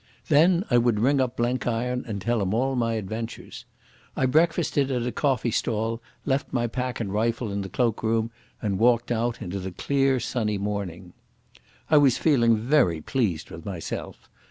Then I would ring up Blenkiron and tell him all my adventures. I breakfasted at a coffee stall, left my pack and rifle in the cloak room, and walked out into the clear sunny morning. I was feeling very pleased with myself.